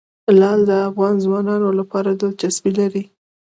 لعل د افغان ځوانانو لپاره دلچسپي لري.